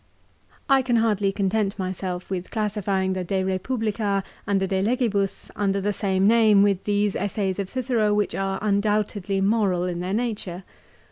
1 I can hardly content myself with classifying the "De Eepublica" and the "De Legibus" under the same name with these essays of Cicero which are undoubtedly moral in their nature.